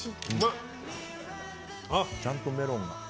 ちゃんとメロンが。